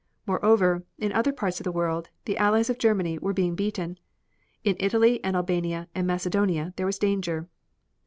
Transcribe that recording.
Moreover, in other parts of the world, the allies of Germany were being beaten. In Italy and Albania and Macedonia there was danger.